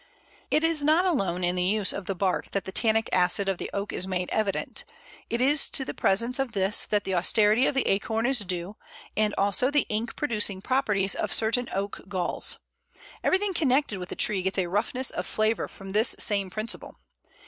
It is not alone in the use of the bark that the tannic acid of the Oak is made evident; it is to the presence of this that the austerity of the acorn is due, and also the ink producing properties of certain Oak galls. Everything connected with the tree gets a roughness of flavour from this same principle.